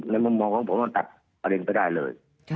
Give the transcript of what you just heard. มุมมองของผมมันตัดประเด็นไปได้เลย